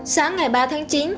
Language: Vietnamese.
sáng ngày ba tháng chín